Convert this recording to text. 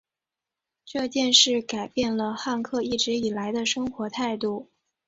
这件事改变了汉克一直以来的生活态度。